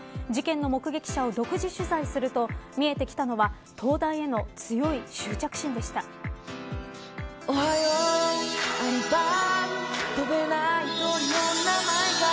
事件の目撃者を独自取材すると見えてきたのは東大への強い執着心でした。